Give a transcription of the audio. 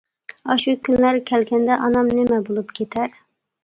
ئاشۇ كۈنلەر كەلگەندە ئانام نېمە بولۇپ كېتەر.